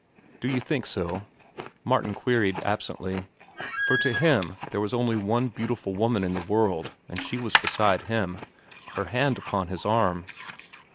"Do you think so?" Martin queried absently, for to him there was only one beautiful woman in the world, and she was beside him, her hand upon his arm.